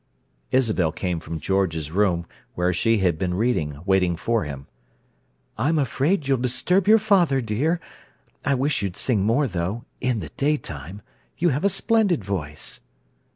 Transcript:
Isabel came from George's room, where she had been reading, waiting for him. "I'm afraid you'll disturb your father, dear. I wish you'd sing more, though—in the daytime! You have a splendid voice."